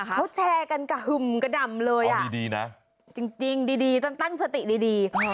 เขาแชร์กันกะหึ่มกระด่ำเลยอ่ะจริงตั้งสติดี